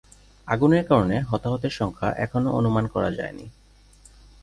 আগুনের কারণে হতাহতের সংখ্যা এখনও অনুমান করা যায়নি।